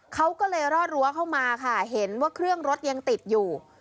เขาก็เลยรอดรั้วเข้ามาค่ะเห็นว่าเครื่องรถยังติดอยู่